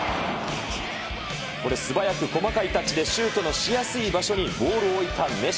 これ、素早く細かいタッチでシュートのしやすい場所にボールを置いたメッシ。